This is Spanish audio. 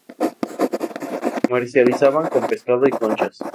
Comerciaban con pescado y conchas.